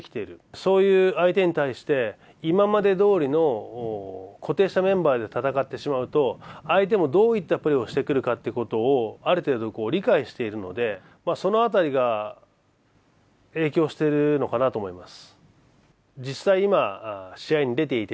そういう相手に対して今までどおりの固定したメンバーで戦ってしまうと相手もどういったプレーをしてくるかということをある程度理解しているので、その辺りが影響してるのかなと思います。